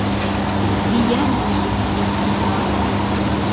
Виян лийже советский калык!